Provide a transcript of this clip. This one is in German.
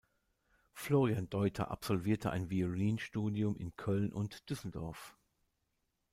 Florian Deuter absolvierte ein Violinstudium in Köln und Düsseldorf.